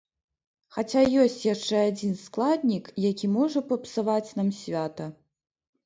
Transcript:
Хаця ёсць яшчэ адзін складнік, які можа папсаваць нам свята.